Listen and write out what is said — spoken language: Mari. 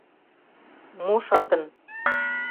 — Мо шатын?